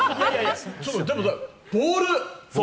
でも、ボール。